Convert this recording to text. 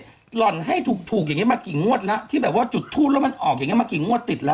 หล่อนให้ถูกอย่างนี้มากี่งวดแล้วที่แบบว่าจุดทูปแล้วมันออกอย่างนี้มากี่งวดติดแล้ว